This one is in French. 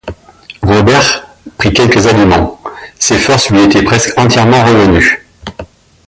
Robert prit quelques aliments ; ses forces lui étaient presque entièrement revenues.